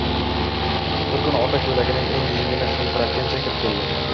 bir kuni ota ko`ylagining o`ng engini hilviratgancha kirib keldi